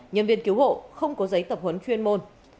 nhân viên cứu hộ không có giấy tập huấn chuyên môn